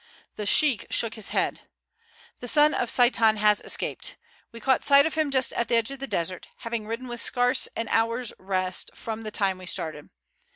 The sheik shook his head. "The son of Sheitan has escaped. We caught sight of him just at the edge of the desert, having ridden with scarce an hour's rest from the time we started.